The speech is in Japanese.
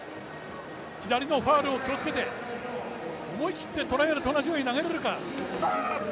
左のファウルを気をつけて、思い切ってトライアルと同じように投げれるか。